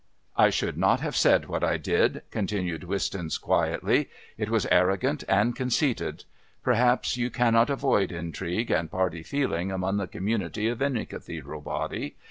"I should not have said what I did," continued Wistons quietly. "It was arrogant and conceited. Perhaps you cannot avoid intrigue and party feeling among the community of any Cathedral body.